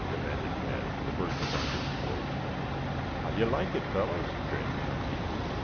demanded Tad, the first to find his voice. "How do you like it, fellows?" grinned Chunky.